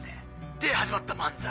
で始まった漫才。